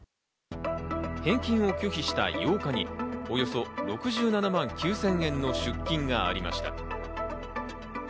返金を拒否した８日に、およそ６７万９０００円の出金がありました。